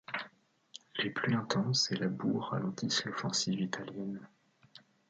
Les pluies intenses et la boue ralentissent l'offensive italienne.